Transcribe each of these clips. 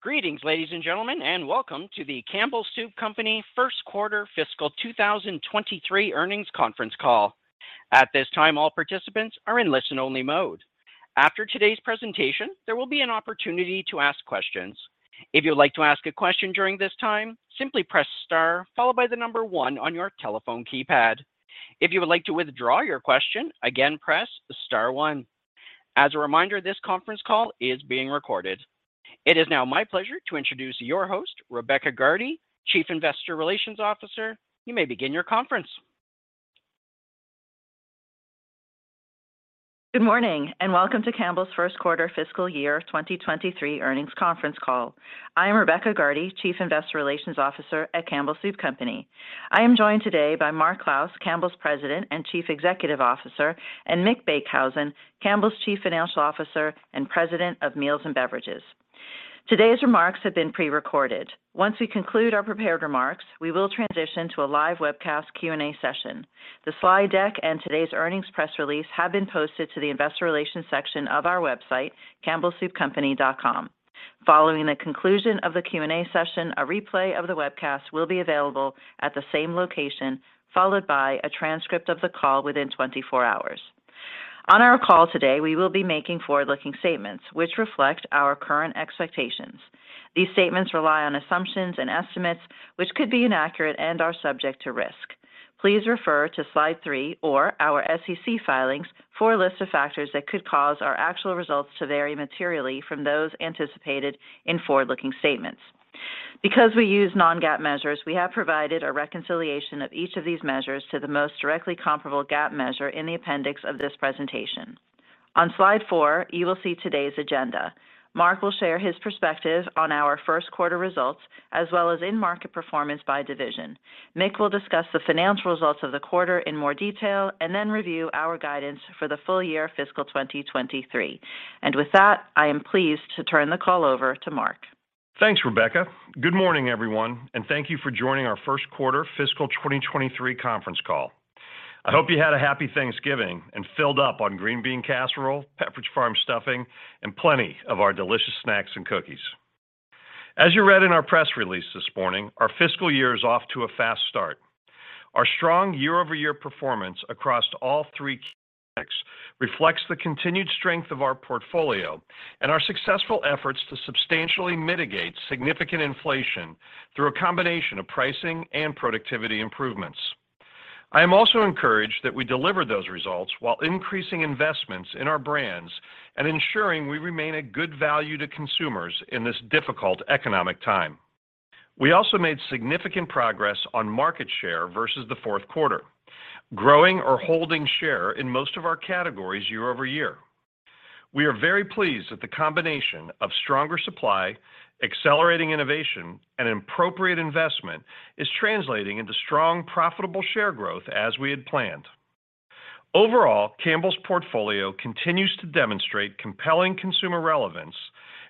Greetings, ladies and gentlemen. Welcome to the Campbell Soup Company first quarter fiscal 2023 earnings conference call. At this time, all participants are in listen only mode. After today's presentation, there will be an opportunity to ask questions. If you'd like to ask a question during this time, simply press star followed by one on your telephone keypad. If you would like to withdraw your question again, press star one. As a reminder, this conference call is being recorded. It is now my pleasure to introduce your host, Rebecca Gardy, Chief Investor Relations Officer. You may begin your conference. Good morning and welcome to Campbell's first quarter fiscal year 2023 earnings conference call. I am Rebecca Gardy, Chief Investor Relations Officer at Campbell Soup Company. I am joined today by Mark Clouse, Campbell's President and Chief Executive Officer, and Mick Beekhuizen, Campbell's Chief Financial Officer and President of Meals & Beverages. Today's remarks have been pre-recorded. Once we conclude our prepared remarks, we will transition to a live webcast Q&A session. The slide deck and today's earnings press release have been posted to the investor relations section of our website, campbellsoupcompany.com. Following the conclusion of the Q&A session, a replay of the webcast will be available at the same location, followed by a transcript of the call within 24 hours. On our call today, we will be making forward-looking statements which reflect our current expectations. These statements rely on assumptions and estimates which could be inaccurate and are subject to risk. Please refer to slide three or our SEC filings for a list of factors that could cause our actual results to vary materially from those anticipated in forward-looking statements. Because we use non-GAAP measures, we have provided a reconciliation of each of these measures to the most directly comparable GAAP measure in the appendix of this presentation. On slide four, you will see today's agenda. Mark will share his perspective on our first quarter results as well as in market performance by division. Mick will discuss the financial results of the quarter in more detail and then review our guidance for the full year fiscal 2023. With that, I am pleased to turn the call over to Mark. Thanks, Rebecca. Good morning, everyone. Thank you for joining our first quarter fiscal 2023 conference call. I hope you had a happy Thanksgiving and filled up on green bean casserole, Pepperidge Farm stuffing, and plenty of our delicious snacks and cookies. As you read in our press release this morning, our fiscal year is off to a fast start. Our strong year-over-year performance across all three key reflects the continued strength of our portfolio and our successful efforts to substantially mitigate significant inflation through a combination of pricing and productivity improvements. I am also encouraged that we deliver those results while increasing investments in our brands and ensuring we remain a good value to consumers in this difficult economic time. We also made significant progress on market share versus the fourth quarter, growing or holding share in most of our categories year-over-year. We are very pleased that the combination of stronger supply, accelerating innovation and an appropriate investment is translating into strong, profitable share growth as we had planned. Overall, Campbell's portfolio continues to demonstrate compelling consumer relevance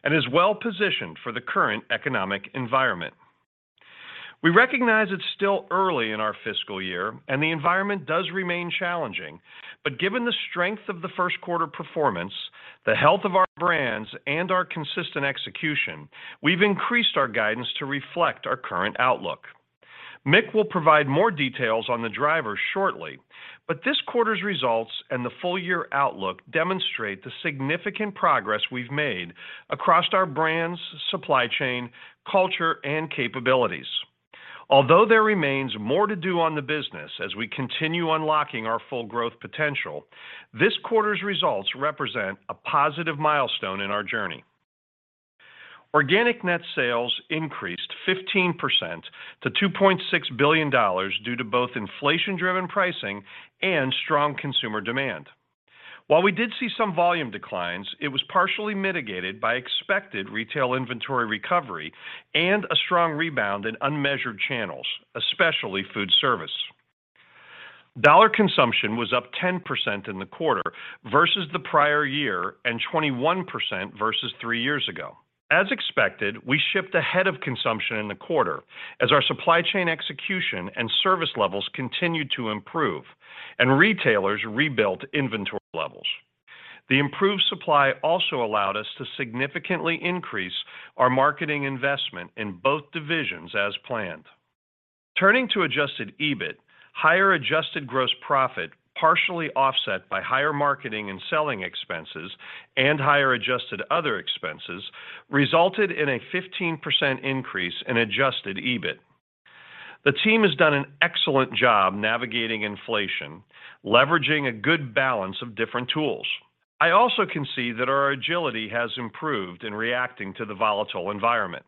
and is well positioned for the current economic environment. We recognize it's still early in our fiscal year and the environment does remain challenging. Given the strength of the first quarter performance, the health of our brands and our consistent execution, we've increased our guidance to reflect our current outlook. Mick will provide more details on the drivers shortly, but this quarter's results and the full year outlook demonstrate the significant progress we've made across our brands, supply chain, culture and capabilities. There remains more to do on the business as we continue unlocking our full growth potential, this quarter's results represent a positive milestone in our journey. Organic net sales increased 15% to $2.6 billion due to both inflation-driven pricing and strong consumer demand. While we did see some volume declines, it was partially mitigated by expected retail inventory recovery and a strong rebound in unmeasured channels, especially food service. Dollar consumption was up 10% in the quarter versus the prior year, and 21% versus three years ago. As expected, we shipped ahead of consumption in the quarter as our supply chain execution and service levels continued to improve and retailers rebuilt inventory levels. The improved supply also allowed us to significantly increase our marketing investment in both divisions as planned. Turning to adjusted EBIT, higher adjusted gross profit, partially offset by higher marketing and selling expenses and higher adjusted other expenses, resulted in a 15% increase in adjusted EBIT. The team has done an excellent job navigating inflation, leveraging a good balance of different tools. I also can see that our agility has improved in reacting to the volatile environment.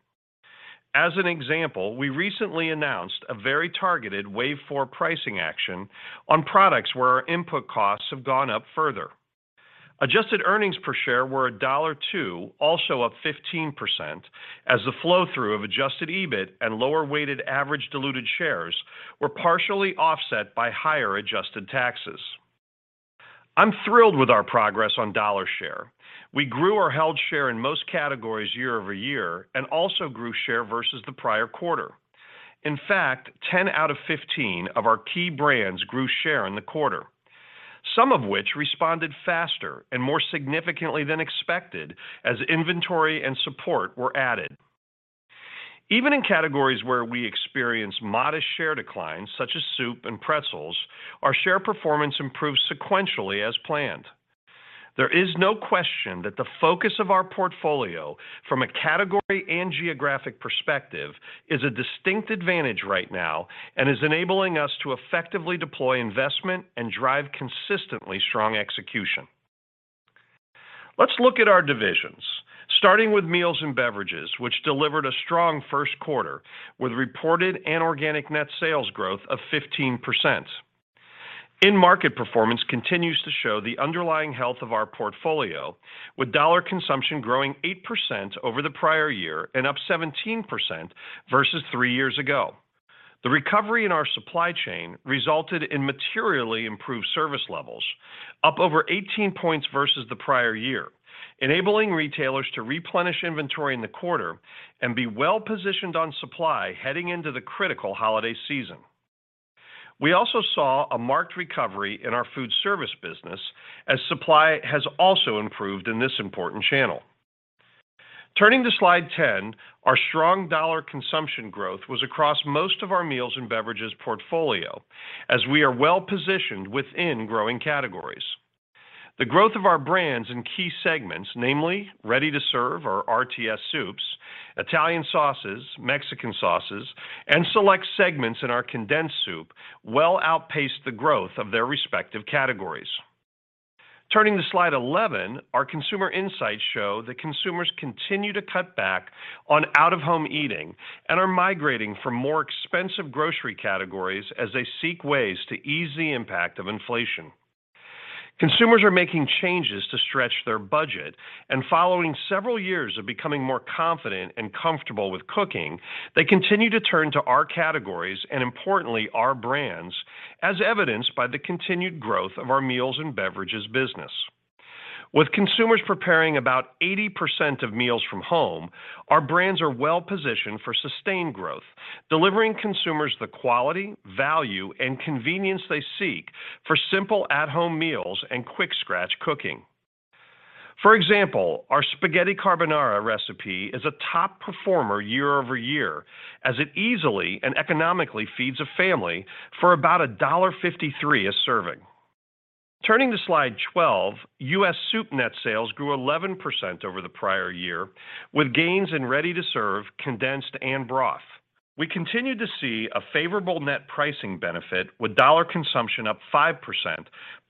As an example, we recently announced a very targeted wave four pricing action on products where our input costs have gone up further. Adjusted earnings per share were $1.02, also up 15% as the flow through of adjusted EBIT and lower weighted average diluted shares were partially offset by higher adjusted taxes. I'm thrilled with our progress on dollar share. We grew our held share in most categories year-over-year and also grew share versus the prior quarter. In fact, 10 out of 15 of our key brands grew share in the quarter. Some of which responded faster and more significantly than expected as inventory and support were added. Even in categories where we experience modest share declines, such as soup and pretzels, our share performance improves sequentially as planned. There is no question that the focus of our portfolio from a category and geographic perspective is a distinct advantage right now and is enabling us to effectively deploy investment and drive consistently strong execution. Let's look at our divisions, starting with Meals & Beverages, which delivered a strong first quarter with reported and organic net sales growth of 15%. In market performance continues to show the underlying health of our portfolio, with dollar consumption growing 8% over the prior year and up 17% versus three years ago. The recovery in our supply chain resulted in materially improved service levels, up over 18 points versus the prior year, enabling retailers to replenish inventory in the quarter and be well-positioned on supply heading into the critical holiday season. We also saw a marked recovery in our food service business as supply has also improved in this important channel. Turning to slide 10, our strong dollar consumption growth was across most of our meals and beverages portfolio as we are well-positioned within growing categories. The growth of our brands in key segments, namely ready-to-serve or RTS soups, Italian sauces, Mexican sauces, and select segments in our condensed soup, well outpaced the growth of their respective categories. Turning to slide 11, our consumer insights show that consumers continue to cut back on out-of-home eating and are migrating from more expensive grocery categories as they seek ways to ease the impact of inflation. Consumers are making changes to stretch their budget, and following several years of becoming more confident and comfortable with cooking, they continue to turn to our categories, and importantly, our brands, as evidenced by the continued growth of our Meals & Beverages business. With consumers preparing about 80% of meals from home, our brands are well-positioned for sustained growth, delivering consumers the quality, value, and convenience they seek for simple at-home meals and quick scratch cooking. For example, our spaghetti carbonara recipe is a top performer year-over-year as it easily and economically feeds a family for about $1.53 a serving. Turning to slide 12, U.S. soup net sales grew 11% over the prior year with gains in ready-to-serve, condensed, and broth. We continued to see a favorable net pricing benefit with dollar consumption up 5%,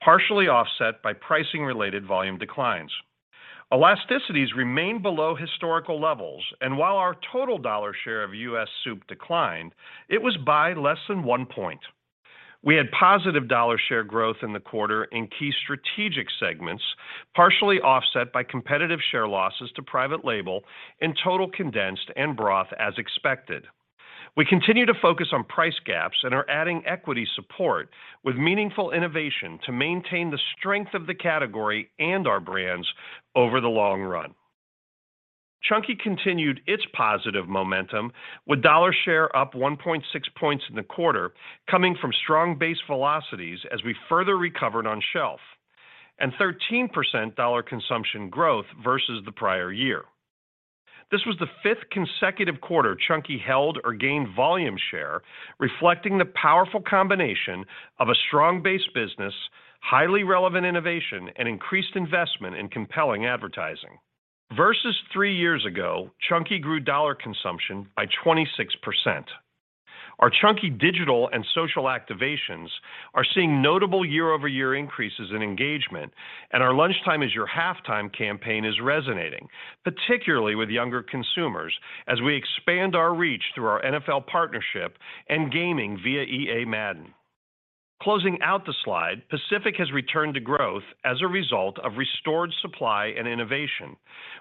partially offset by pricing-related volume declines. Elasticities remain below historical levels, and while our total dollar share of U.S. soup declined, it was by less than one point. We had positive dollar share growth in the quarter in key strategic segments, partially offset by competitive share losses to private label in total condensed and broth as expected. We continue to focus on price gaps and are adding equity support with meaningful innovation to maintain the strength of the category and our brands over the long run. Chunky continued its positive momentum with dollar share up 1.6 points in the quarter coming from strong base velocities as we further recovered on shelf, and 13% dollar consumption growth versus the prior year. This was the fifth consecutive quarter Chunky held or gained volume share, reflecting the powerful combination of a strong base business, highly relevant innovation, and increased investment in compelling advertising. Versus three years ago, Chunky grew dollar consumption by 26%. Our Chunky digital and social activations are seeing notable year-over-year increases in engagement, and our Lunchtime is Your Halftime campaign is resonating, particularly with younger consumers as we expand our reach through our NFL partnership and gaming via EA Madden. Closing out the slide, Pacific has returned to growth as a result of restored supply and innovation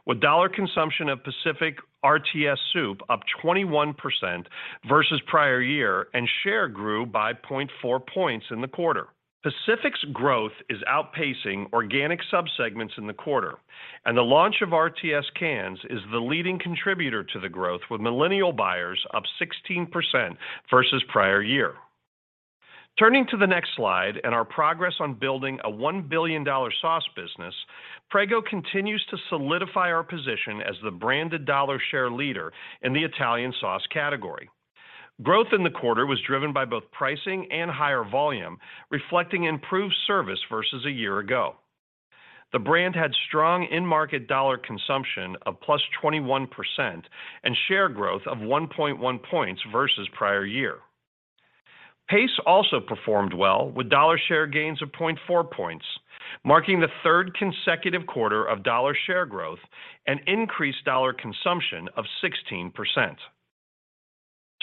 with dollar consumption of Pacific RTS soup up 21% versus prior year and share grew by 0.4 points in the quarter. Pacific's growth is outpacing organic subsegments in the quarter, the launch of RTS cans is the leading contributor to the growth with millennial buyers up 16% versus prior year. Turning to the next slide and our progress on building a $1 billion sauce business, Prego continues to solidify our position as the branded dollar share leader in the Italian sauce category. Growth in the quarter was driven by both pricing and higher volume, reflecting improved service versus a year ago. The brand had strong in-market dollar consumption of +21% and share growth of 1.1 points versus prior year. Pace also performed well with dollar share gains of 0.4 points, marking the third consecutive quarter of dollar share growth and increased dollar consumption of 16%.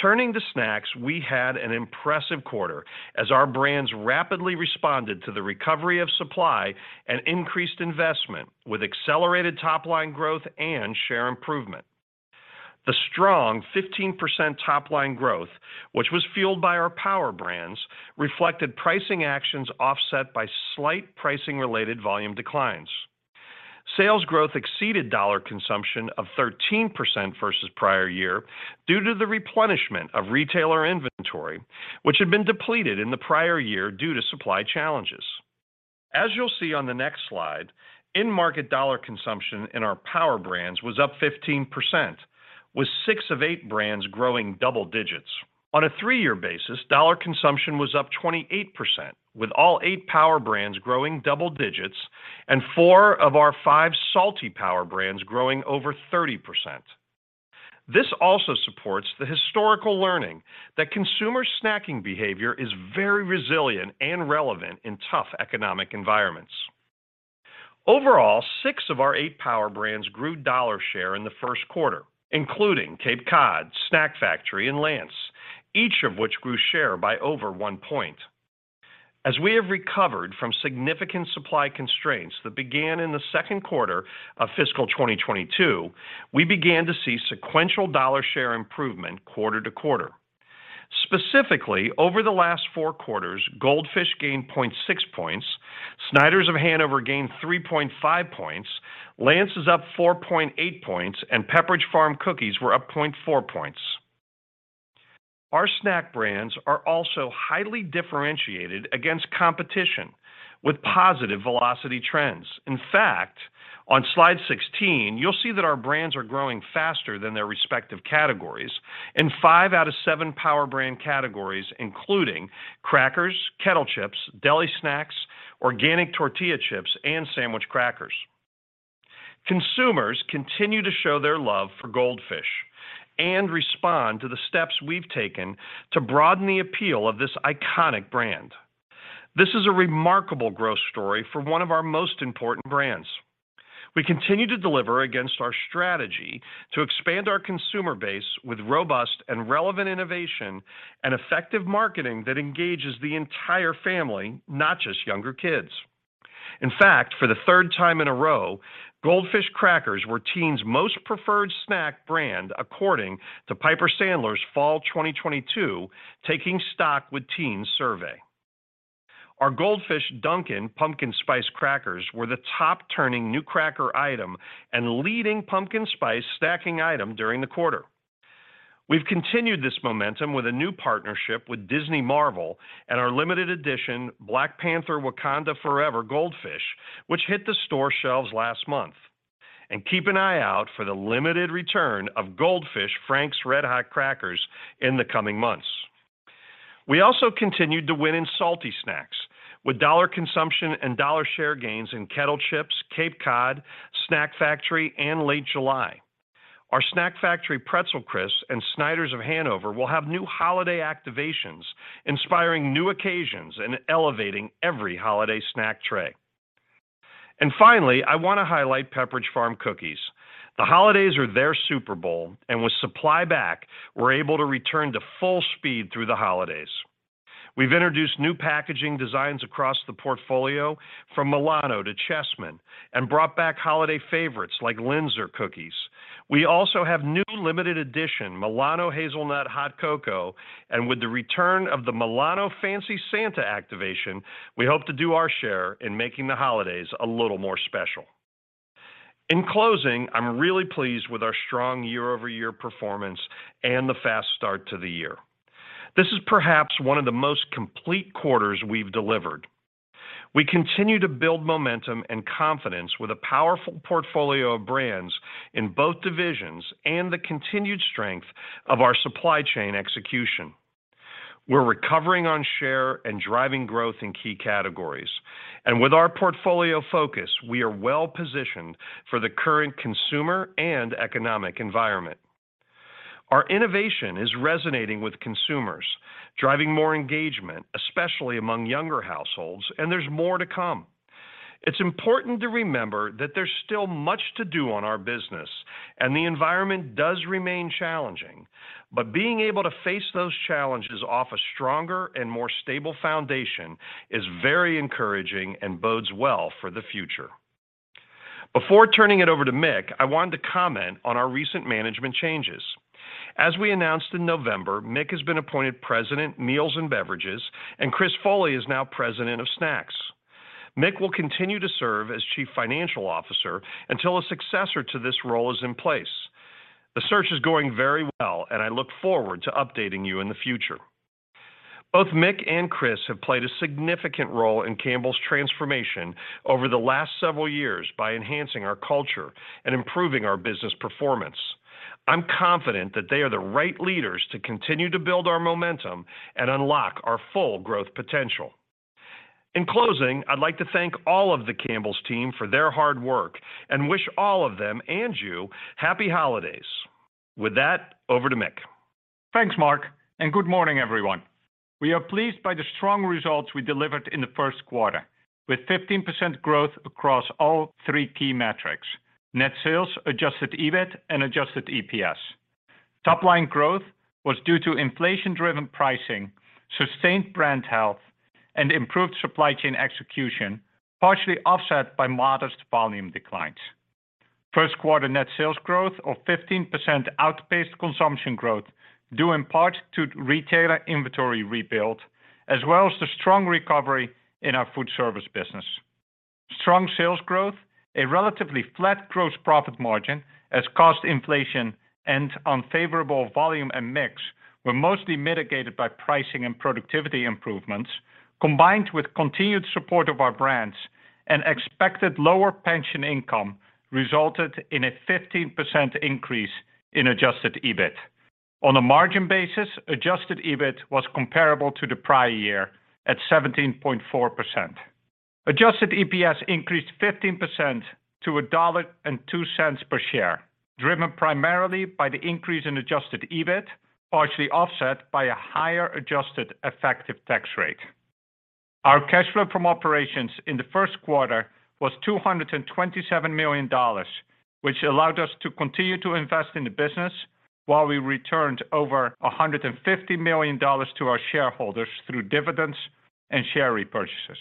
Turning to snacks, we had an impressive quarter as our brands rapidly responded to the recovery of supply and increased investment with accelerated top-line growth and share improvement. The strong 15% top-line growth, which was fueled by our power brands, reflected pricing actions offset by slight pricing-related volume declines. Sales growth exceeded dollar consumption of 13% versus prior year due to the replenishment of retailer inventory, which had been depleted in the prior year due to supply challenges. As you'll see on the next slide, in-market dollar consumption in our power brands was up 15%, with six of eight brands growing double digits. On a three-year basis, dollar consumption was up 28%, with all eight power brands growing double digits and four of our five salty power brands growing over 30%. This also supports the historical learning that consumer snacking behavior is very resilient and relevant in tough economic environments. Six of our eight power brands grew dollar share in the first quarter, including Cape Cod, Snack Factory, and Lance, each of which grew share by over one point. As we have recovered from significant supply constraints that began in the second quarter of fiscal 2022, we began to see sequential dollar share improvement quarter to quarter. Specifically, over the last four quarters, Goldfish gained 0.6 points, Snyder's of Hanover gained 3.5 points, Lance is up 4.8 points, and Pepperidge Farm cookies were up 0.4 points. Our snack brands are also highly differentiated against competition with positive velocity trends. In fact, on slide 16, you'll see that our brands are growing faster than their respective categories in five out of seven power brand categories, including crackers, kettle chips, deli snacks, organic tortilla chips, and sandwich crackers. Consumers continue to show their love for Goldfish and respond to the steps we've taken to broaden the appeal of this iconic brand. This is a remarkable growth story for one of our most important brands. We continue to deliver against our strategy to expand our consumer base with robust and relevant innovation and effective marketing that engages the entire family, not just younger kids. In fact, for the third time in a row, Goldfish crackers were teens' most preferred snack brand, according to Piper Sandler's Fall 2022 Taking Stock With Teens® survey. Our Goldfish Dunkin' Pumpkin Spice crackers were the top-turning new cracker item and leading pumpkin spice snacking item during the quarter. We've continued this momentum with a new partnership with Disney Marvel and our limited-edition Black Panther Wakanda Forever Goldfish, which hit the store shelves last month. Keep an eye out for the limited return of Goldfish Frank's RedHot crackers in the coming months. We also continued to win in salty snacks with dollar consumption and dollar share gains in Kettle Chips, Cape Cod, Snack Factory, and Late July. Our Snack Factory Pretzel Crisps and Snyder's of Hanover will have new holiday activations, inspiring new occasions, and elevating every holiday snack tray. Finally, I want to highlight Pepperidge Farm cookies. The holidays are their Super Bowl, and with supply back, we're able to return to full speed through the holidays. We've introduced new packaging designs across the portfolio, from Milano to Chessmen, and brought back holiday favorites like Linzer cookies. We also have new limited edition Milano Hazelnut Hot Cocoa. With the return of the Milano Fancy Santa activation, we hope to do our share in making the holidays a little more special. In closing, I'm really pleased with our strong year-over-year performance and the fast start to the year. This is perhaps one of the most complete quarters we've delivered. We continue to build momentum and confidence with a powerful portfolio of brands in both divisions and the continued strength of our supply chain execution. We're recovering on share and driving growth in key categories. With our portfolio focus, we are well positioned for the current consumer and economic environment. Our innovation is resonating with consumers, driving more engagement, especially among younger households, and there's more to come. It's important to remember that there's still much to do on our business, and the environment does remain challenging. Being able to face those challenges off a stronger and more stable foundation is very encouraging and bodes well for the future. Before turning it over to Mick, I wanted to comment on our recent management changes. As we announced in November, Mick has been appointed President, Meals and Beverages, and Chris Foley is now President of Snacks. Mick will continue to serve as Chief Financial Officer until a successor to this role is in place. The search is going very well, and I look forward to updating you in the future. Both Mick and Chris have played a significant role in Campbell's transformation over the last several years by enhancing our culture and improving our business performance. I'm confident that they are the right leaders to continue to build our momentum and unlock our full growth potential. In closing, I'd like to thank all of the Campbell's team for their hard work and wish all of them, and you, happy holidays. With that, over to Mick. Thanks, Mark. Good morning, everyone. We are pleased by the strong results we delivered in the first quarter, with 15% growth across all three key metrics: net sales, Adjusted EBIT, and Adjusted EPS. Top line growth was due to inflation-driven pricing, sustained brand health, and improved supply chain execution, partially offset by modest volume declines. First quarter net sales growth of 15% outpaced consumption growth, due in part to retailer inventory rebuild, as well as the strong recovery in our food service business. Strong sales growth, a relatively flat gross profit margin as cost inflation and unfavorable volume and mix were mostly mitigated by pricing and productivity improvements combined with continued support of our brands and expected lower pension income resulted in a 15% increase in Adjusted EBIT. On a margin basis, Adjusted EBIT was comparable to the prior year at 17.4%. Adjusted EPS increased 15% to $1.02 per share, driven primarily by the increase in adjusted EBIT, partially offset by a higher adjusted effective tax rate. Our cash flow from operations in the first quarter was $227 million, which allowed us to continue to invest in the business while we returned over $150 million to our shareholders through dividends and share repurchases.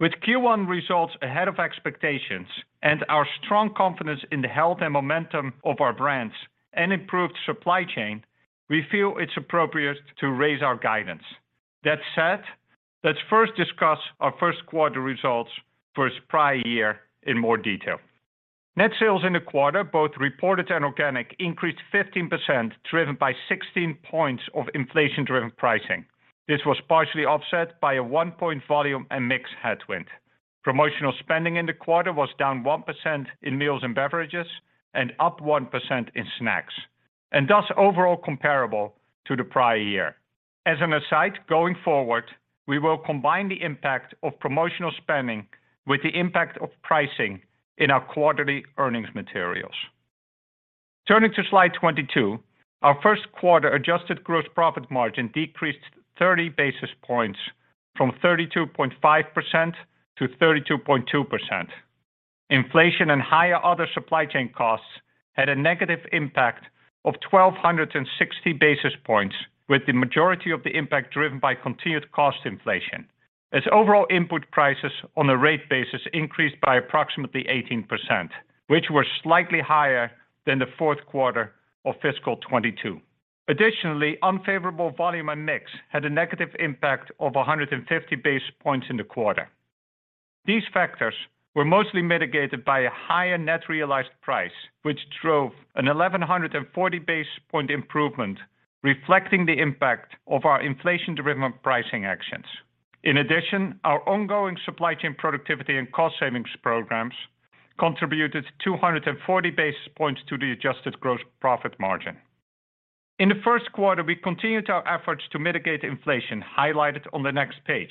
With Q1 results ahead of expectations and our strong confidence in the health and momentum of our brands and improved supply chain, we feel it's appropriate to raise our guidance. That said, let's first discuss our first quarter results versus prior year in more detail. Net sales in the quarter, both reported and organic, increased 15%, driven by 16 points of inflation-driven pricing. This was partially offset by a 1-point volume and mix headwind. Promotional spending in the quarter was down 1% in meals and beverages and up 1% in snacks, and thus overall comparable to the prior year. As an aside, going forward, we will combine the impact of promotional spending with the impact of pricing in our quarterly earnings materials. Turning to slide 22, our first quarter adjusted gross profit margin decreased 30 basis points from 32.5% to 32.2%. Inflation and higher other supply chain costs had a negative impact of 1,260 basis points, with the majority of the impact driven by continued cost inflation, as overall input prices on a rate basis increased by approximately 18%, which were slightly higher than the fourth quarter of fiscal 2022. Additionally, unfavorable volume and mix had a negative impact of 150 basis points in the quarter. These factors were mostly mitigated by a higher net realized price, which drove a 1,140 basis point improvement, reflecting the impact of our inflation-driven pricing actions. In addition, our ongoing supply chain productivity and cost savings programs contributed 240 basis points to the adjusted gross profit margin. In the first quarter, we continued our efforts to mitigate inflation highlighted on the next page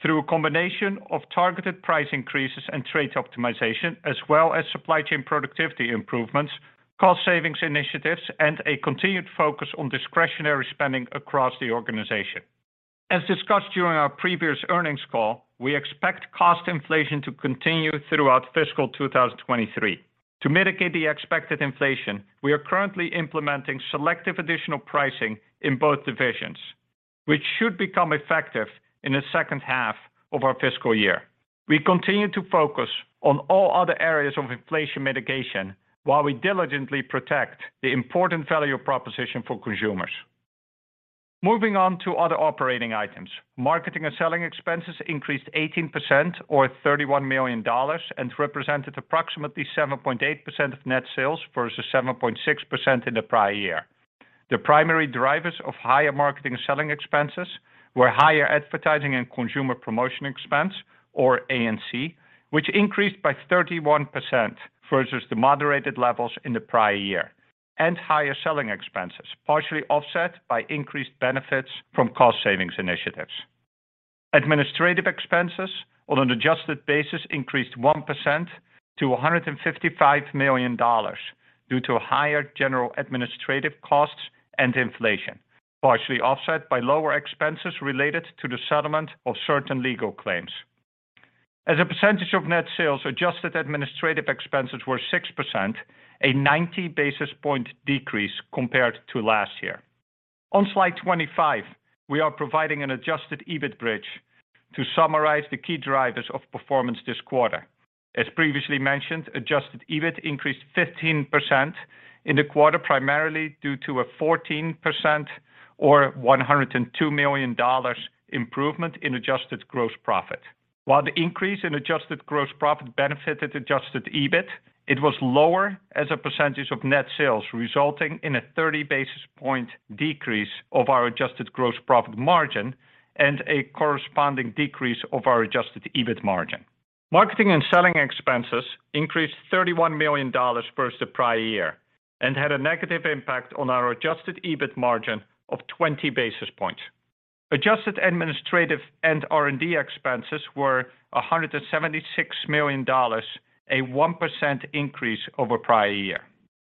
through a combination of targeted price increases and trade optimization, as well as supply chain productivity improvements, cost savings initiatives, and a continued focus on discretionary spending across the organization. As discussed during our previous earnings call, we expect cost inflation to continue throughout fiscal 2023. To mitigate the expected inflation, we are currently implementing selective additional pricing in both divisions, which should become effective in the second half of our fiscal year. We continue to focus on all other areas of inflation mitigation while we diligently protect the important value proposition for consumers. Moving on to other operating items. Marketing and selling expenses increased 18% or $31 million and represented approximately 7.8% of net sales versus 7.6% in the prior year. The primary drivers of higher marketing and selling expenses were higher advertising and consumer promotion expense, or ANC, which increased by 31% versus the moderated levels in the prior year, and higher selling expenses, partially offset by increased benefits from cost savings initiatives. Administrative expenses on an adjusted basis increased 1% to $155 million due to higher general administrative costs and inflation, partially offset by lower expenses related to the settlement of certain legal claims. As a percentage of net sales, adjusted administrative expenses were 6%, a 90 basis point decrease compared to last year. On slide 25, we are providing an Adjusted EBIT bridge to summarize the key drivers of performance this quarter. As previously mentioned, Adjusted EBIT increased 15% in the quarter, primarily due to a 14% or $102 million improvement in adjusted gross profit. While the increase in adjusted gross profit benefited Adjusted EBIT, it was lower as a percentage of net sales, resulting in a 30 basis point decrease of our adjusted gross profit margin and a corresponding decrease of our adjusted EBIT margin. Marketing and selling expenses increased $31 million versus the prior year and had a negative impact on our adjusted EBIT margin of 20 basis points. Adjusted administrative and R&D expenses were $176 million, a 1% increase over prior year.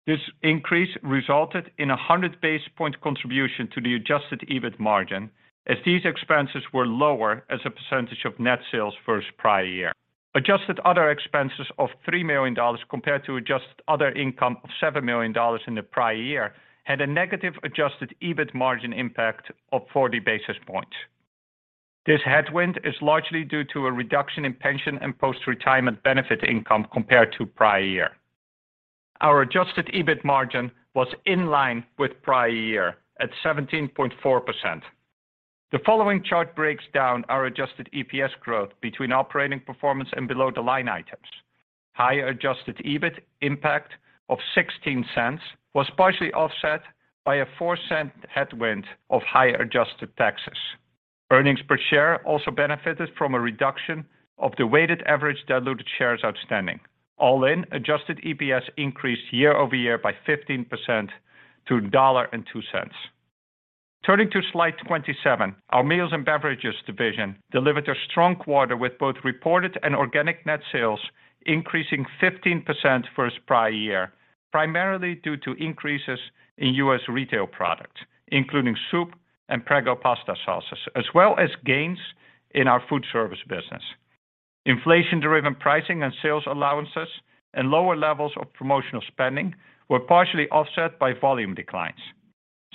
This increase resulted in a 100 basis point contribution to the adjusted EBIT margin as these expenses were lower as a percentage of net sales versus prior year. Adjusted other expenses of $3 million compared to adjusted other income of $7 million in the prior year had a negative adjusted EBIT margin impact of 40 basis points. This headwind is largely due to a reduction in pension and post-retirement benefit income compared to prior year. Our adjusted EBIT margin was in line with prior year at 17.4%. The following chart breaks down our adjusted EPS growth between operating performance and below-the-line items. Higher adjusted EBIT impact of $0.16 was partially offset by a $0.04 headwind of higher adjusted taxes. Earnings per share also benefited from a reduction of the weighted average diluted shares outstanding. All in, Adjusted EPS increased year-over-year by 15% to $1.02. Turning to slide 27, our meals and beverages division delivered a strong quarter with both reported and organic net sales increasing 15% versus prior year, primarily due to increases in U.S. retail product, including soup and Prego pasta sauces, as well as gains in our food service business. Inflation-driven pricing and sales allowances and lower levels of promotional spending were partially offset by volume declines.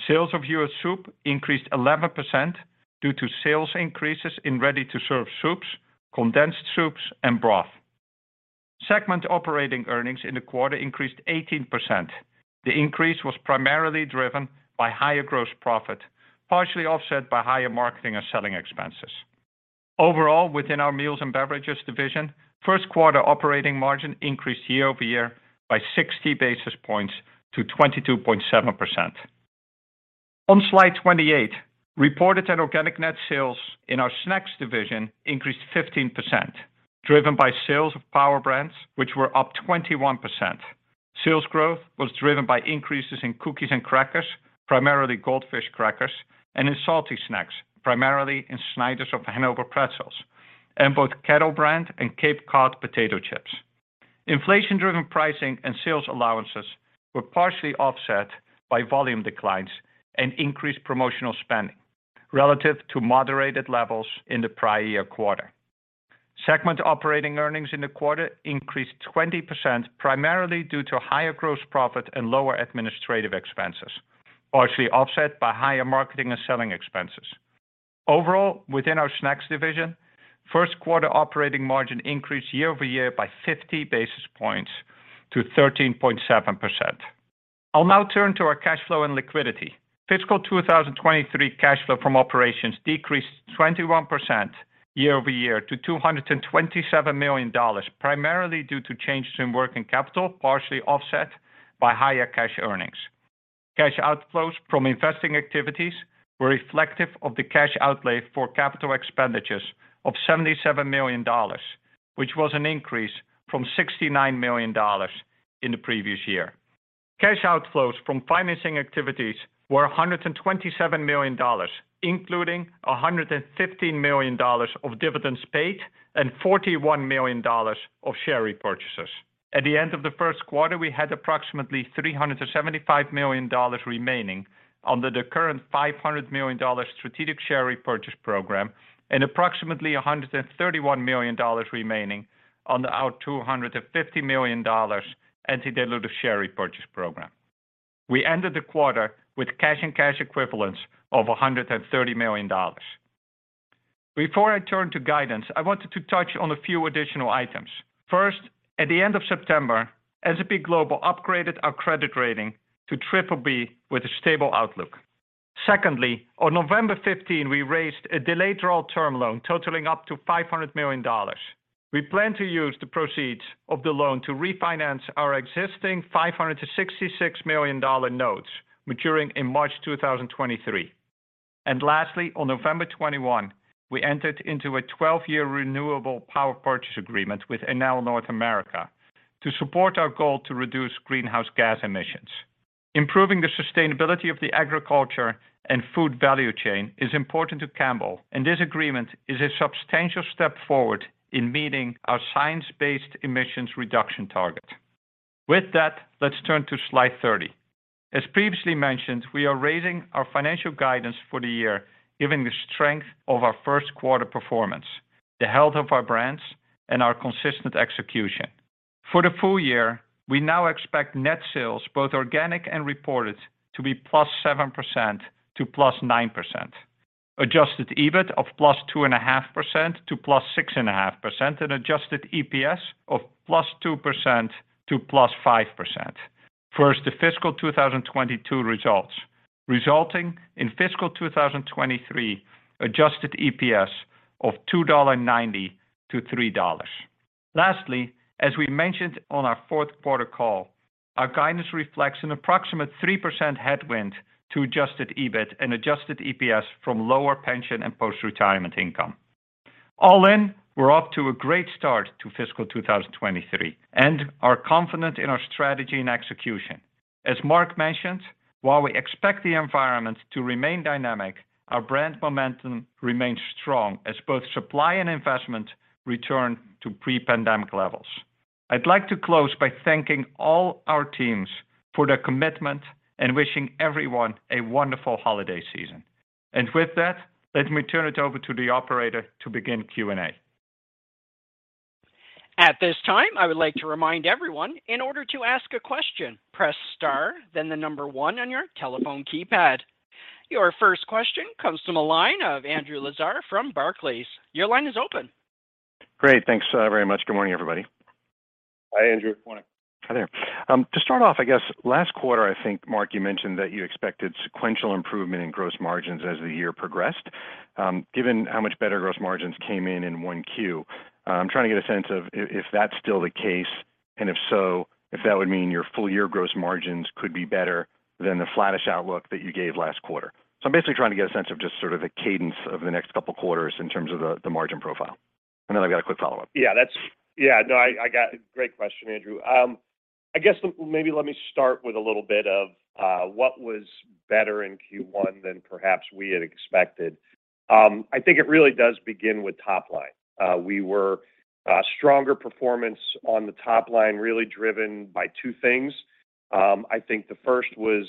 Sales of U.S. soup increased 11% due to sales increases in ready-to-serve soups, condensed soups, and broth. Segment operating earnings in the quarter increased 18%. The increase was primarily driven by higher gross profit, partially offset by higher marketing and selling expenses. Overall, within our Meals & Beverages division, first quarter operating margin increased year-over-year by 60 basis points to 22.7%. On slide 28, reported and organic net sales in our snacks division increased 15%, driven by sales of power brands, which were up 21%. Sales growth was driven by increases in cookies and crackers, primarily Goldfish crackers, and in salty snacks, primarily in Snyder's of Hanover pretzels, and both Kettle Brand and Cape Cod potato chips. Inflation-driven pricing and sales allowances were partially offset by volume declines and increased promotional spending relative to moderated levels in the prior year quarter. Segment operating earnings in the quarter increased 20% primarily due to higher gross profit and lower administrative expenses, partially offset by higher marketing and selling expenses. Overall, within our snacks division, first quarter operating margin increased year-over-year by 50 basis points to 13.7%. I'll now turn to our cash flow and liquidity. Fiscal 2023 cash flow from operations decreased 21% year-over-year to $227 million, primarily due to changes in working capital, partially offset by higher cash earnings. Cash outflows from investing activities were reflective of the cash outlay for capital expenditures of $77 million, which was an increase from $69 million in the previous year. Cash outflows from financing activities were $127 million, including $115 million of dividends paid and $41 million of share repurchases. At the end of the first quarter, we had approximately $375 million remaining under the current $500 million strategic share repurchase program and approximately $131 million remaining on our $250 million anti-dilutive share repurchase program. We ended the quarter with cash and cash equivalents of $130 million. Before I turn to guidance, I wanted to touch on a few additional items. At the end of September, S&P Global upgraded our credit rating to BBB with a stable outlook. On November 15, we raised a delayed draw term loan totaling up to $500 million. We plan to use the proceeds of the loan to refinance our existing $566 million notes maturing in March 2023. Lastly, on November 21, we entered into a 12-year renewable power purchase agreement with Enel North America to support our goal to reduce greenhouse gas emissions. Improving the sustainability of the agriculture and food value chain is important to Campbell, and this agreement is a substantial step forward in meeting our science-based emissions reduction target. With that, let's turn to slide 30. As previously mentioned, we are raising our financial guidance for the year, given the strength of our first quarter performance, the health of our brands, and our consistent execution. For the full year, we now expect net sales, both organic and reported, to be +7% to +9%. Adjusted EBIT of +2.5% to +6.5%, and adjusted EPS of +2% to +5%. The fiscal 2022 results, resulting in fiscal 2023 Adjusted EPS of $2.90-$3.00. Lastly, as we mentioned on our fourth quarter call, our guidance reflects an approximate 3% headwind to Adjusted EBIT and Adjusted EPS from lower pension and post-retirement income. All in, we're off to a great start to fiscal 2023 and are confident in our strategy and execution. As Mark mentioned, while we expect the environment to remain dynamic, our brand momentum remains strong as both supply and investment return to pre-pandemic levels. I'd like to close by thanking all our teams for their commitment and wishing everyone a wonderful holiday season. With that, let me turn it over to the operator to begin Q&A. At this time, I would like to remind everyone in order to ask a question, press star then the number one on your telephone keypad. Your first question comes from a line of Andrew Lazar from Barclays. Your line is open. Great. Thanks very much. Good morning, everybody. Hi, Andrew. Morning. Hi there. To start off, I guess last quarter, I think, Mark, you mentioned that you expected sequential improvement in gross margins as the year progressed. Given how much better gross margins came in in 1Q, I'm trying to get a sense of if that's still the case, and if so, if that would mean your full year gross margins could be better than the flattish outlook that you gave last quarter. I'm basically trying to get a sense of just sort of the cadence of the next couple of quarters in terms of the margin profile. Then I've got a quick follow-up. Great question, Andrew. I guess maybe let me start with a little bit of what was better in Q1 than perhaps we had expected. I think it really does begin with top line. We were stronger performance on the top line, really driven by two things. I think the first was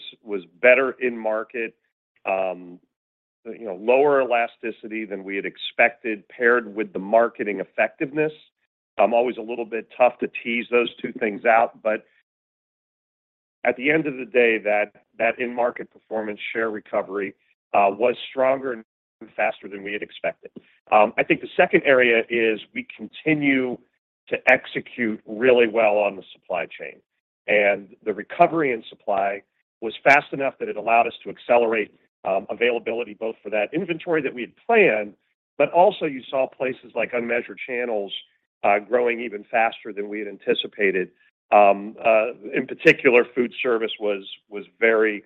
better in market, you know, lower elasticity than we had expected, paired with the marketing effectiveness. Always a little bit tough to tease those two things out, but at the end of the day, that in-market performance share recovery was stronger and faster than we had expected. I think the second area is we continue to execute really well on the supply chain, and the recovery in supply was fast enough that it allowed us to accelerate availability both for that inventory that we had planned, but also you saw places like unmeasured channels growing even faster than we had anticipated. In particular, food service was very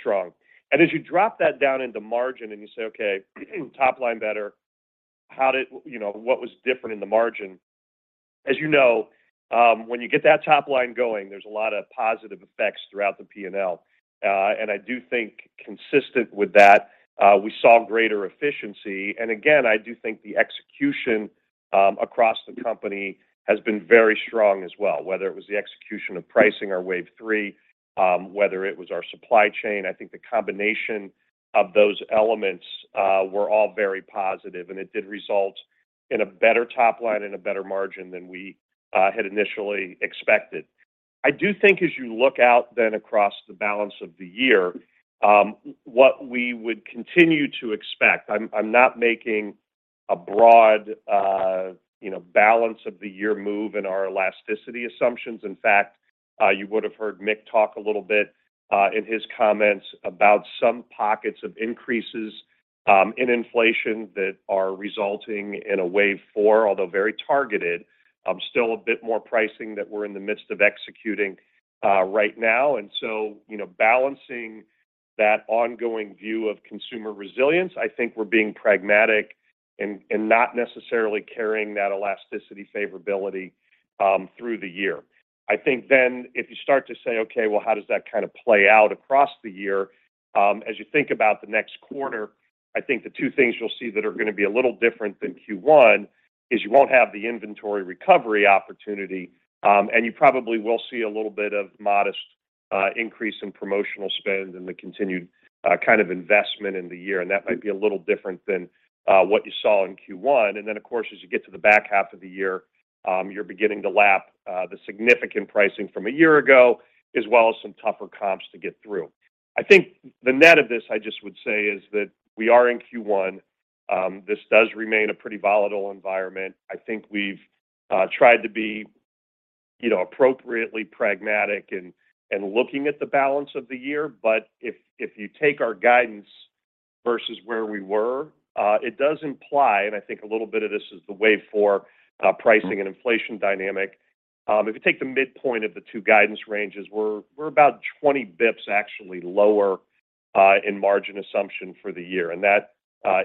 strong. As you drop that down into margin and you say, Okay, top line better, what was different in the margin? As you know, when you get that top line going, there's a lot of positive effects throughout the P&L. I do think consistent with that, we saw greater efficiency. Again, I do think the execution, across the company has been very strong as well, whether it was the execution of pricing or wave three, whether it was our supply chain. I think the combination of those elements, were all very positive, and it did result in a better top line and a better margin than we had initially expected. I do think as you look out then across the balance of the year, what we would continue to expect, I'm not making a broad, you know, balance of the year move in our elasticity assumptions. In fact, you would have heard Mick talk a little bit in his comments about some pockets of increases in inflation that are resulting in a wave four, although very targeted, still a bit more pricing that we're in the midst of executing right now. You know, balancing that ongoing view of consumer resilience, I think we're being pragmatic and not necessarily carrying that elasticity favorability through the year. I think then if you start to say, Okay, well, how does that kind of play out across the year? As you think about the next quarter, I think the two things you'll see that are gonna be a little different than Q1 is you won't have the inventory recovery opportunity, and you probably will see a little bit of modest increase in promotional spend and the continued kind of investment in the year, and that might be a little different than what you saw in Q1. Of course, as you get to the back half of the year, you're beginning to lap the significant pricing from a year ago, as well as some tougher comps to get through. I think the net of this, I just would say is that we are in Q1, this does remain a pretty volatile environment. I think we've tried to be, you know, appropriately pragmatic and looking at the balance of the year. If, if you take our guidance versus where we were, it does imply, and I think a little bit of this is the wave four pricing and inflation dynamic. If you take the midpoint of the two guidance ranges, we're about 20 bps actually lower in margin assumption for the year, and that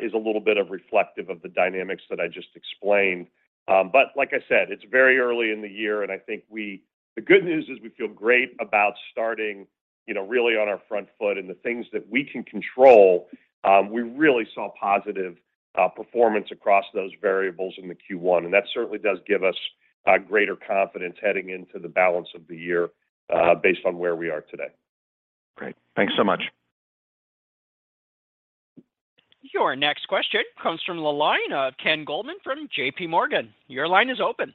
is a little bit of reflective of the dynamics that I just explained. Like I said, it's very early in the year. I think the good news is we feel great about starting, you know, really on our front foot. The things that we can control, we really saw positive performance across those variables in the Q1. That certainly does give us greater confidence heading into the balance of the year, based on where we are today. Great. Thanks so much. Your next question comes from the line of Ken Goldman from JP Morgan. Your line is open.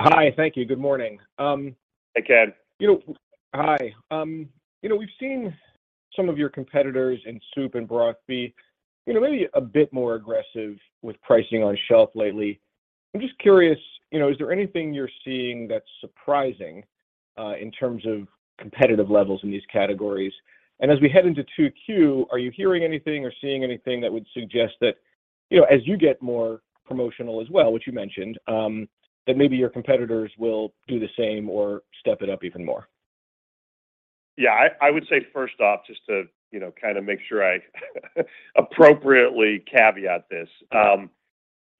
Hi. Thank you. Good morning. Hey, Ken. You know. Hi. You know, we've seen some of your competitors in soup and broth be, you know, maybe a bit more aggressive with pricing on shelf lately. I'm just curious, you know, is there anything you're seeing that's surprising in terms of competitive levels in these categories? As we head into 2Q, are you hearing anything or seeing anything that would suggest that, you know, as you get more promotional as well, which you mentioned, that maybe your competitors will do the same or step it up even more? Yeah, I would say first off, just to, you know, kind of make sure I appropriately caveat this.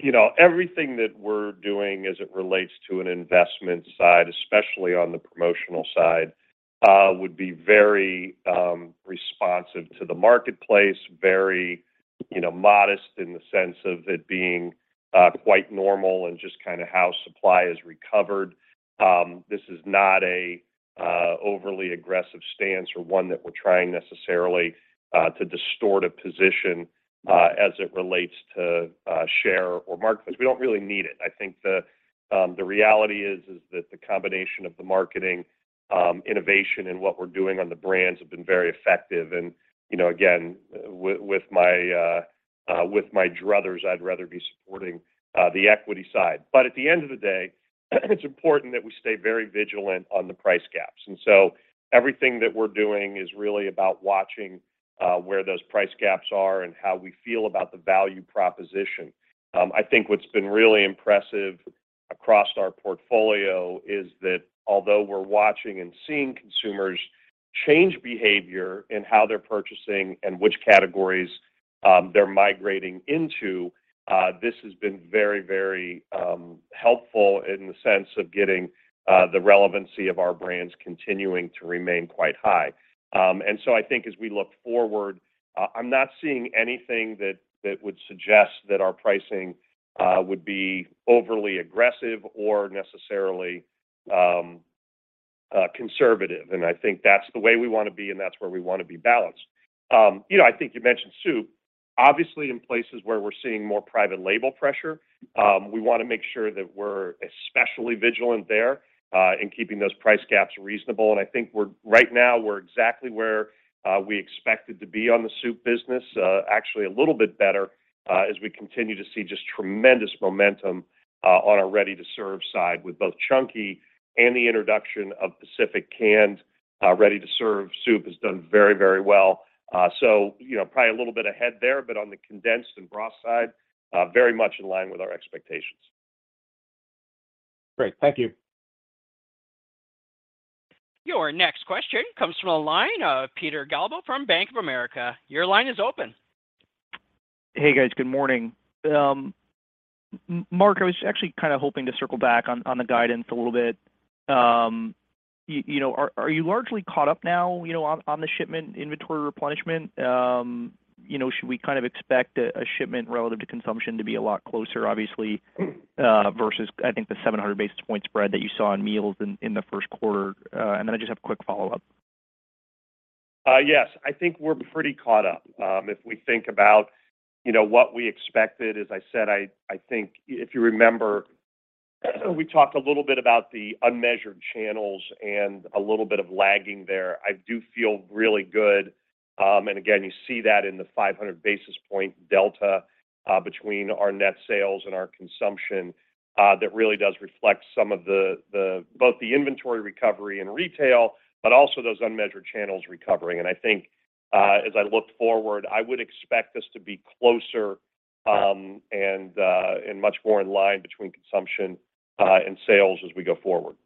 You know, everything that we're doing as it relates to an investment side, especially on the promotional side, would be very responsive to the marketplace, very, you know, modest in the sense of it being quite normal and just kinda how supply has recovered. This is not a overly aggressive stance or one that we're trying necessarily to distort a position as it relates to share or market because we don't really need it. I think the reality is that the combination of the marketing innovation and what we're doing on the brands have been very effective. You know, again, with my, with my druthers, I'd rather be supporting the equity side. At the end of the day, it's important that we stay very vigilant on the price gaps. Everything that we're doing is really about watching where those price gaps are and how we feel about the value proposition. I think what's been really impressive across our portfolio is that although we're watching and seeing consumers change behavior in how they're purchasing and which categories they're migrating into, this has been very, very helpful in the sense of getting the relevancy of our brands continuing to remain quite high. I think as we look forward, I'm not seeing anything that would suggest that our pricing would be overly aggressive or necessarily conservative. I think that's the way we wanna be and that's where we wanna be balanced. You know, I think you mentioned soup. Obviously, in places where we're seeing more private label pressure, we wanna make sure that we're especially vigilant there, in keeping those price gaps reasonable. I think right now we're exactly where we expected to be on the soup business, actually a little bit better, as we continue to see just tremendous momentum, on our ready-to-serve side with both Chunky and the introduction of Pacific canned, ready-to-serve soup has done very, very well. You know, probably a little bit ahead there, but on the condensed and broth side, very much in line with our expectations. Great. Thank you. Your next question comes from the line of Peter Galbo from Bank of America. Your line is open. Hey, guys. Good morning. Mark, I was actually kind of hoping to circle back on the guidance a little bit. You know, are you largely caught up now, you know, on the shipment inventory replenishment? You know, should we kind of expect a shipment relative to consumption to be a lot closer, obviously, versus, I think the 700 basis points spread that you saw in meals in the first quarter. I just have a quick follow-up. Yes. I think we're pretty caught up. If we think about, you know, what we expected, as I said, I think if you remember, we talked a little bit about the unmeasured channels and a little bit of lagging there. I do feel really good. Again, you see that in the 500 basis point delta between our net sales and our consumption, that really does reflect some of the inventory recovery and retail, but also those unmeasured channels recovering. I think, as I look forward, I would expect this to be closer, and much more in line between consumption and sales as we go forward.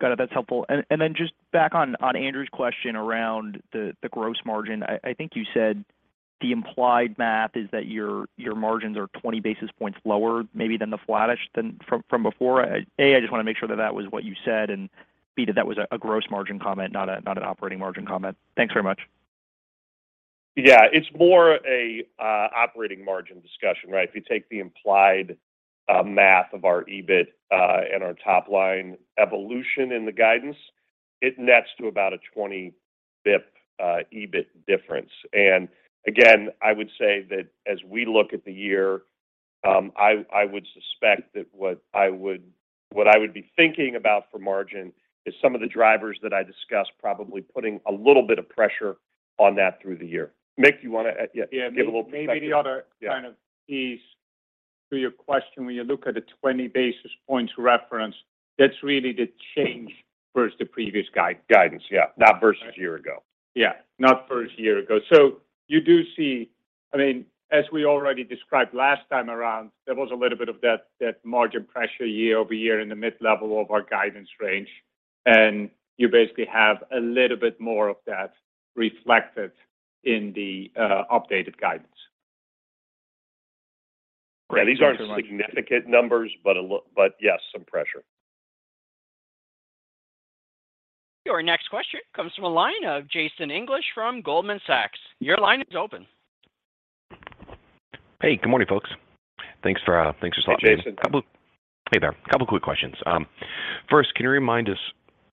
Got it. That's helpful. Then just back on Andrew's question around the gross margin. I think you said the implied math is that your margins are 20 basis points lower maybe than the flattish than from before. A, I just wanna make sure that that was what you said and B, that that was a gross margin comment, not an operating margin comment. Thanks very much. Yeah. It's more a operating margin discussion, right? If you take the implied math of our EBIT, and our top line evolution in the guidance, it nets to about a 20 bps EBIT difference. Again, I would say that as we look at the year, I would suspect that what I would be thinking about for margin is some of the drivers that I discussed probably putting a little bit of pressure on that through the year. Mick, you wanna. Yeah. Give a little perspective. Maybe the other kind of piece to your question when you look at the 20 basis points reference, that's really the change versus the previous guidance. Yeah. Not versus year ago. Yeah, not versus year ago. I mean, as we already described last time around, there was a little bit of that margin pressure year-over-year in the mid-level of our guidance range. You basically have a little bit more of that reflected in the updated guidance. Yeah. These aren't significant numbers, but yes, some pressure. Your next question comes from a line of Jason English from Goldman Sachs. Your line is open. Hey, good morning, folks. Thanks for. Hey, Jason. Hey there. Couple quick questions. First, can you remind us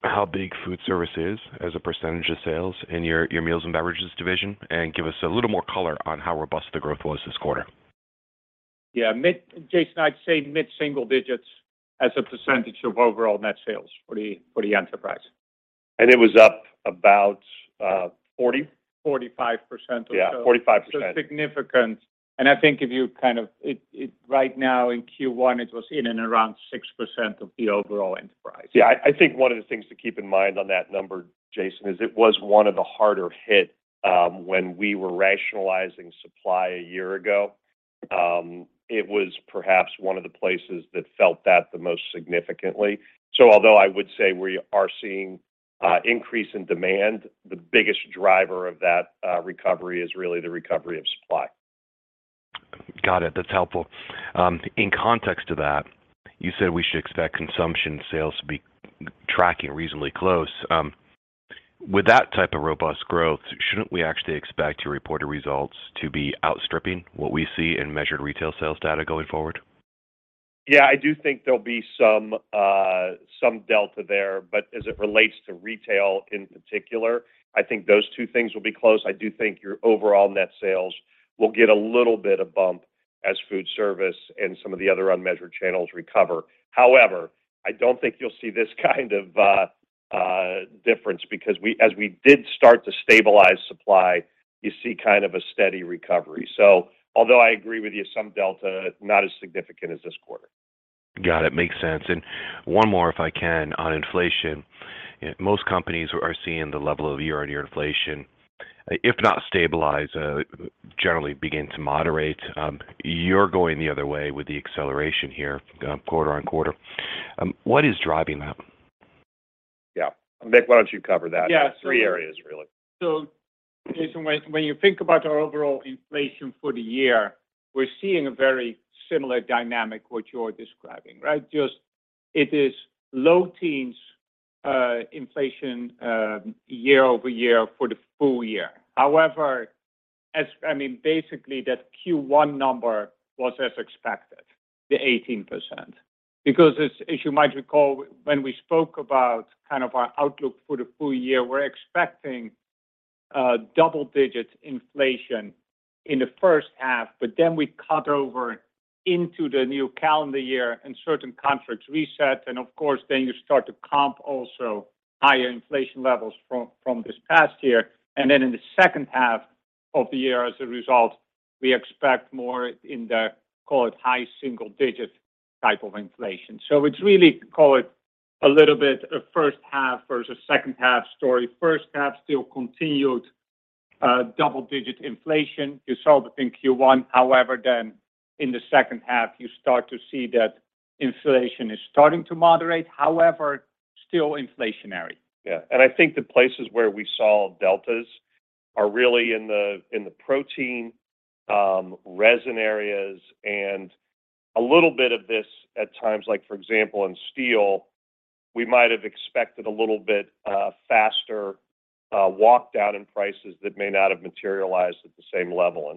how big food service is as a percentage of sales in your Meals & Beverages division, and give us a little more color on how robust the growth was this quarter? Yeah. Jason, I'd say mid-single digits as a percentage of overall net sales for the enterprise. it was up about, forty- 45% or so. Yeah, 45%. Significant. I think if you kind of, it right now in Q1, it was in and around 6% of the overall enterprise. I think one of the things to keep in mind on that number, Jason, is it was one of the harder hit when we were rationalizing supply a year ago. It was perhaps one of the places that felt that the most significantly. Although I would say we are seeing increase in demand, the biggest driver of that recovery is really the recovery of supply. Got it. That's helpful. In context to that, you said we should expect consumption sales to be tracking reasonably close. With that type of robust growth, shouldn't we actually expect your reported results to be outstripping what we see in measured retail sales data going forward? Yeah, I do think there'll be some delta there. As it relates to retail in particular, I think those two things will be close. I do think your overall net sales will get a little bit of bump as food service and some of the other unmeasured channels recover. I don't think you'll see this kind of difference because as we did start to stabilize supply, you see kind of a steady recovery. Although I agree with you, some delta, not as significant as this quarter. Got it. Makes sense. One more, if I can, on inflation. Most companies are seeing the level of year-on-year inflation, if not stabilize, generally begin to moderate. You're going the other way with the acceleration here, quarter-on-quarter. What is driving that? Yeah. Mick, why don't you cover that? Yeah. Three areas, really. Jason, when you think about our overall inflation for the year, we're seeing a very similar dynamic, what you're describing, right? Just it is low teens inflation year-over-year for the full year. However, as, I mean, basically that Q1 number was as expected, the 18%. As you might recall when we spoke about kind of our outlook for the full year, we're expecting double digits inflation in the first half, then we cut over into the new calendar year and certain contracts reset. Of course, then you start to comp also higher inflation levels from this past year. Then in the second half of the year as a result, we expect more in the, call it, high single digit type of inflation. It's really, call it, a little bit a first half versus second half story. First half still continued double-digit inflation you saw within Q1. In the second half you start to see that inflation is starting to moderate, however, still inflationary. Yeah. I think the places where we saw deltas are really in the, in the protein, resin areas and a little bit of this at times, like for example, in steel, we might have expected a little bit faster walk down in prices that may not have materialized at the same level.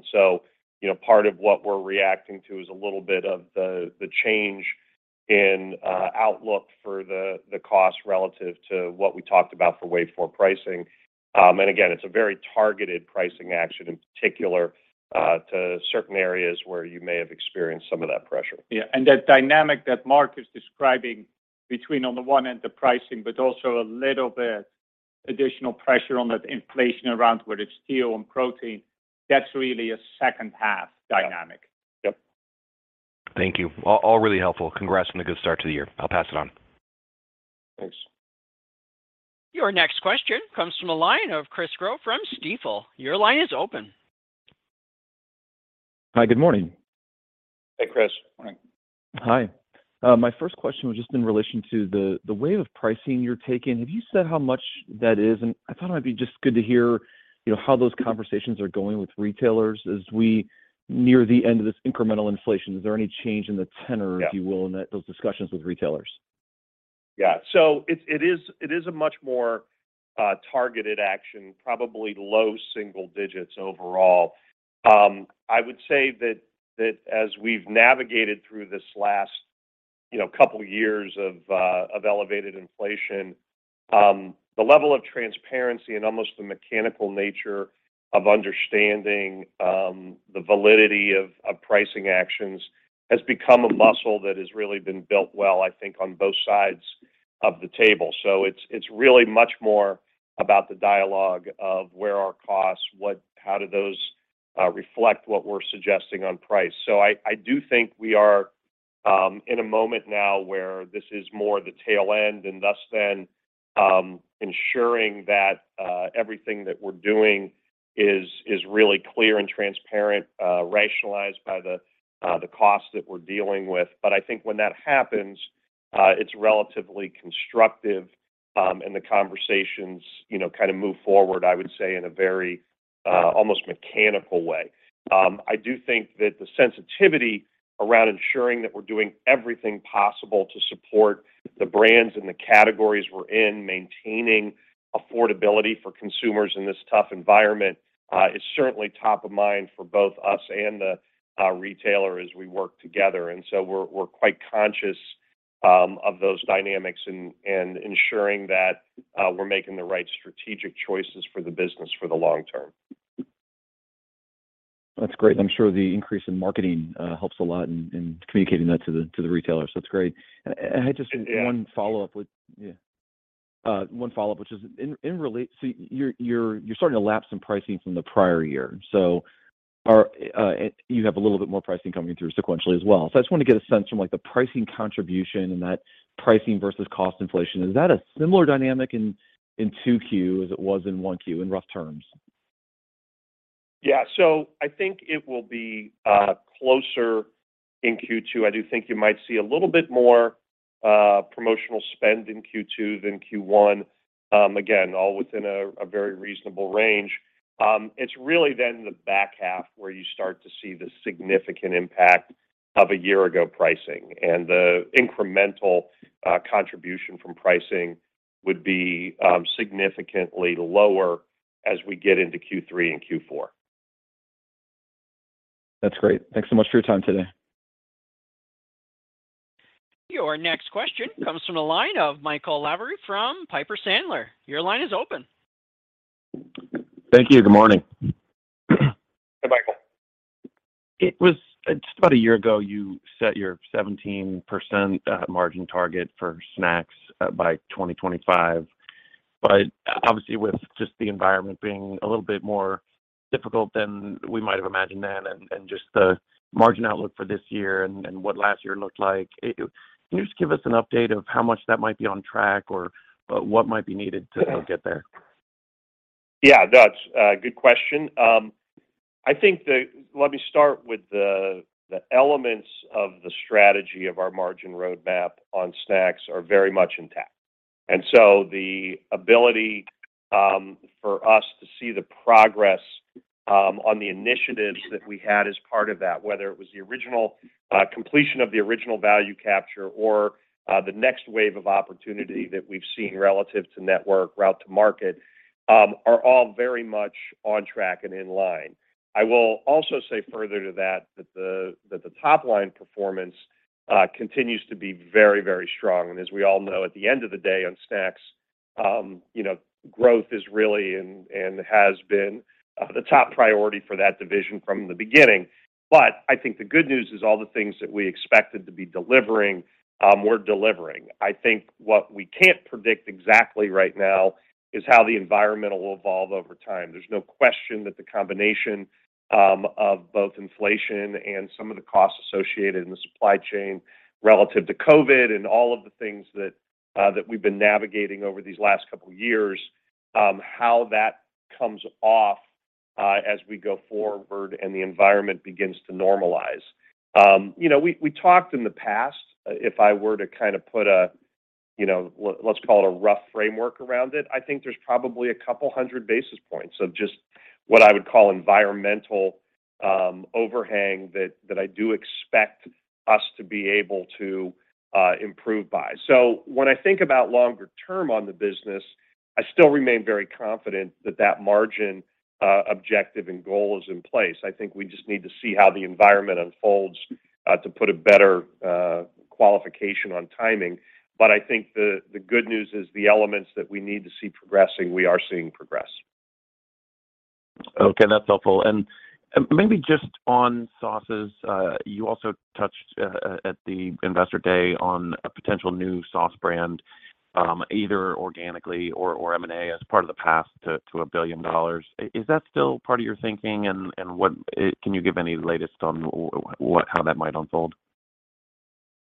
You know, part of what we're reacting to is a little bit of the change in outlook for the cost relative to what we talked about for wave four pricing. It's a very targeted pricing action in particular to certain areas where you may have experienced some of that pressure. Yeah. That dynamic that Mark is describing between, on the one end, the pricing, but also a little bit additional pressure on that inflation around whether it's steel and protein, that's really a second half dynamic. Yep. Thank you. All really helpful. Congrats on a good start to the year. I'll pass it on. Thanks. Your next question comes from the line of Chris Growe from Stifel. Your line is open. Hi, good morning. Hey, Chris. Morning. Hi. My first question was just in relation to the wave of pricing you're taking. Have you said how much that is? I thought it might be just good to hear, you know, how those conversations are going with retailers as we near the end of this incremental inflation. Is there any change in the tenor- Yeah if you will, in that, those discussions with retailers? It is a much more targeted action, probably low single digits overall. I would say that as we've navigated through this last, you know, couple of years of elevated inflation, the level of transparency and almost the mechanical nature of understanding the validity of pricing actions has become a muscle that has really been built well, I think, on both sides of the table. It's really much more about the dialogue of where are costs, how do those reflect what we're suggesting on price. I do think we are in a moment now where this is more the tail end and thus then ensuring that everything that we're doing is really clear and transparent, rationalized by the cost that we're dealing with. I think when that happens, it's relatively constructive, and the conversations, you know, kind of move forward, I would say, in a very, almost mechanical way. I do think that the sensitivity around ensuring that we're doing everything possible to support the brands and the categories we're in, maintaining affordability for consumers in this tough environment, is certainly top of mind for both us and the retailer as we work together. We're, we're quite conscious of those dynamics and ensuring that we're making the right strategic choices for the business for the long term. That's great. I'm sure the increase in marketing helps a lot in communicating that to the retailers. That's great. Yeah. One follow-up. Yeah. You're starting to lap some pricing from the prior year. You have a little bit more pricing coming through sequentially as well. I just want to get a sense from, like, the pricing contribution and that pricing versus cost inflation. Is that a similar dynamic in 2Q as it was in 1Q in rough terms? I think it will be closer in Q2. I do think you might see a little bit more promotional spend in Q2 than Q1, again, all within a very reasonable range. It's really the back half where you start to see the significant impact of a year ago pricing and the incremental contribution from pricing would be significantly lower as we get into Q3 and Q4. That's great. Thanks so much for your time today. Your next question comes from the line of Michael Lavery from Piper Sandler. Your line is open. Thank you. Good morning. Hi, Michael. It was just about a year ago, you set your 17% margin target for snacks by 2025. Obviously, with just the environment being a little bit more difficult than we might have imagined then and just the margin outlook for this year and what last year looked like, can you just give us an update of how much that might be on track or what might be needed to get there? Yeah. No, it's a good question. I think let me start with the elements of the strategy of our margin roadmap on snacks are very much intact. The ability for us to see the progress on the initiatives that we had as part of that, whether it was the original completion of the original value capture or the next wave of opportunity that we've seen relative to network route to market, are all very much on track and in line. I will also say further to that the top line performance continues to be very, very strong. As we all know, at the end of the day on snacks, you know, growth is really and has been the top priority for that division from the beginning. I think the good news is all the things that we expected to be delivering, we're delivering. I think what we can't predict exactly right now is how the environmental will evolve over time. There's no question that the combination of both inflation and some of the costs associated in the supply chain relative to COVID and all of the things that we've been navigating over these last couple of years, how that comes off as we go forward and the environment begins to normalize. You know, we talked in the past, if I were to kind of put a, you know, let's call it a rough framework around it, I think there's probably 200 basis points of just what I would call environmental overhang that I do expect us to be able to improve by. When I think about longer term on the business, I still remain very confident that margin objective and goal is in place. I think we just need to see how the environment unfolds to put a better qualification on timing. I think the good news is the elements that we need to see progressing, we are seeing progress. Okay, that's helpful. Maybe just on sauces, you also touched at the investor day on a potential new sauce brand, either organically or M&A as part of the path to $1 billion. Is that still part of your thinking? What Can you give any latest on what how that might unfold?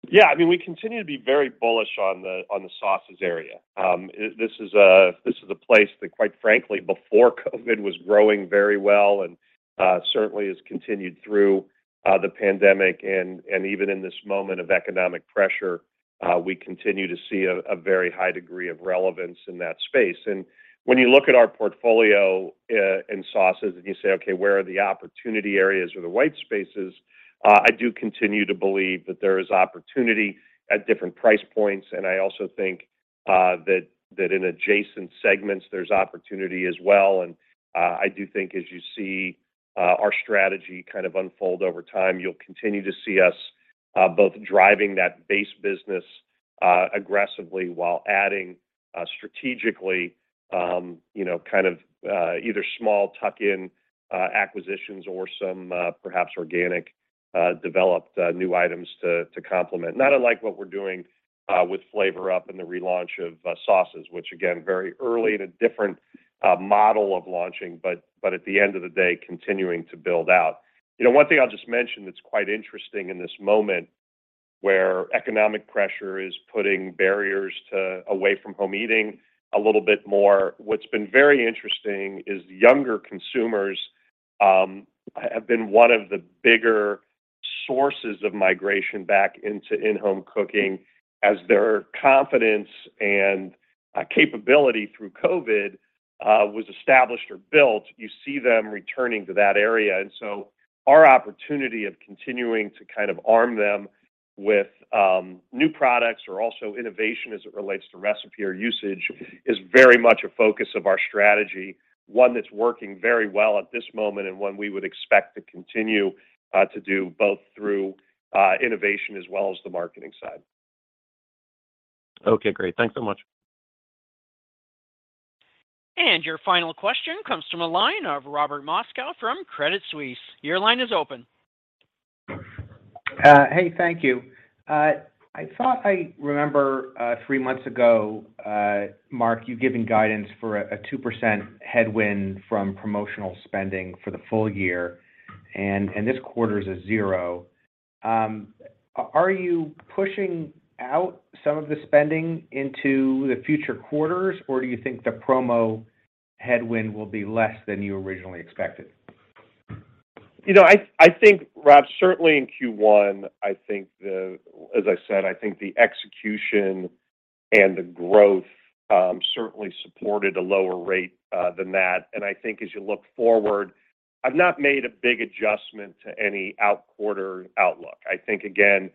Yeah. I mean, we continue to be very bullish on the, on the sauces area. This is a, this is a place that, quite frankly, before COVID was growing very well and certainly has continued through the pandemic and even in this moment of economic pressure, we continue to see a very high degree of relevance in that space. When you look at our portfolio in sauces and you say, Okay, where are the opportunity areas or the white spaces? I do continue to believe that there is opportunity at different price points, and I also think that in adjacent segments, there's opportunity as well. I do think as you see our strategy kind of unfold over time, you'll continue to see us both driving that base business aggressively while adding strategically, you know, kind of either small tuck-in acquisitions or some perhaps organic developed new items to complement. Not unlike what we're doing with FlavorUp and the relaunch of sauces, which again, very early in a different model of launching, but at the end of the day, continuing to build out. You know, one thing I'll just mention that's quite interesting in this moment where economic pressure is putting barriers to away-from-home eating a little bit more. What's been very interesting is younger consumers, have been one of the bigger sources of migration back into in-home cooking as their confidence and capability through COVID, was established or built, you see them returning to that area. So our opportunity of continuing to kind of arm them with new products or also innovation as it relates to recipe or usage is very much a focus of our strategy, one that's working very well at this moment and one we would expect to continue to do both through innovation as well as the marketing side. Okay, great. Thanks so much. Your final question comes from a line of Robert Moskow from Credit Suisse. Your line is open. Hey, thank you. I thought I remember, three months ago, Mark, you giving guidance for a 2% headwind from promotional spending for the full year. This quarter is a zero. Are you pushing out some of the spending into the future quarters, or do you think the promo headwind will be less than you originally expected? You know, I think, Rob, certainly in Q1, I think as I said, I think the execution and the growth certainly supported a lower rate than that. I think as you look forward, I've not made a big adjustment to any outquarter outlook. I think, again,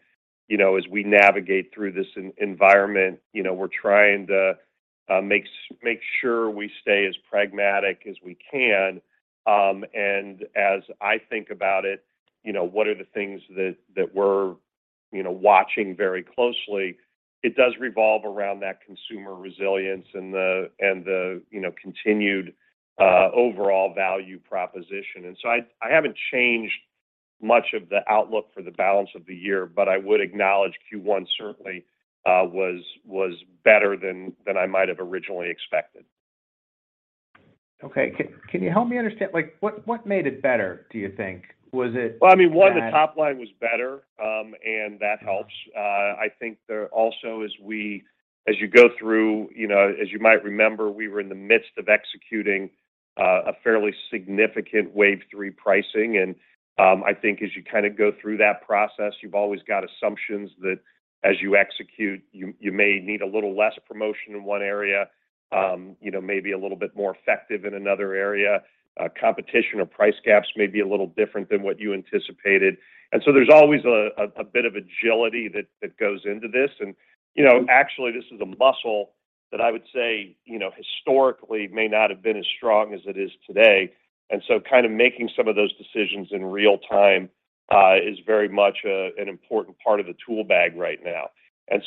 you know, as we navigate through this environment, you know, we're trying to make sure we stay as pragmatic as we can. As I think about it, you know, what are the things that we're, you know, watching very closely, it does revolve around that consumer resilience and the, and the, you know, continued overall value proposition. I haven't changed much of the outlook for the balance of the year, but I would acknowledge Q1 certainly was better than I might have originally expected. Okay. Can you help me understand? Like, what made it better, do you think? Was it that? Well, I mean, one, the top line was better. That helps. I think there also, as you go through, you know, as you might remember, we were in the midst of executing a fairly significant wave three pricing. I think as you kinda go through that process, you've always got assumptions that as you execute, you may need a little less promotion in one area, you know, maybe a little bit more effective in another area. Competition or price gaps may be a little different than what you anticipated. There's always a bit of agility that goes into this. You know, actually, this is a muscle that I would say, you know, historically may not have been as strong as it is today. Kind of making some of those decisions in real-time is very much an important part of the tool bag right now.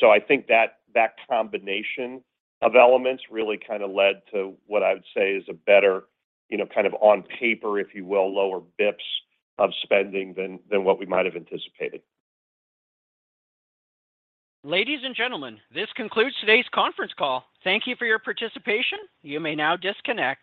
I think that combination of elements really kind of led to what I would say is a better, you know, kind of on paper, if you will, lower basis points of spending than what we might have anticipated. Ladies and gentlemen, this concludes today's conference call. Thank you for your participation. You may now disconnect.